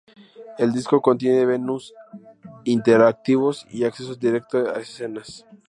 El disco contiene menús interactivos y acceso directo a escenas.